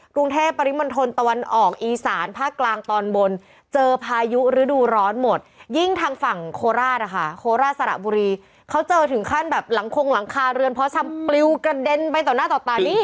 กรุงเทพปริมณฑลตะวันออกอีสานภาคกลางตอนบนเจอพายุฤดูร้อนหมดยิ่งทางฝั่งโคราชนะคะโคราชสระบุรีเขาเจอถึงขั้นแบบหลังคงหลังคาเรือนเพาะชำปลิวกระเด็นไปต่อหน้าต่อตานี่